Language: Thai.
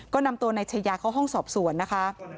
ก็นำตัวนายชายาเข้าห้องสอบสวนนะคะ